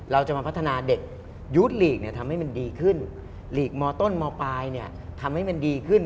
เราจะมาพัฒนาเด็กยูดลีกทำให้มันดีขึ้นหลีกมต้นมปลายทำให้มันดีขึ้น